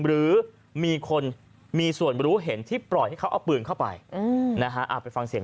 หรือมีคนมีส่วนบรู้เห็นที่ปล่อยให้เขาเอาปืนเข้าไป